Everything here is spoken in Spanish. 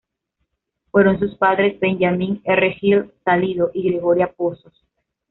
Fueron sus padres Benjamín R. Hill Salido y Gregoria Pozos.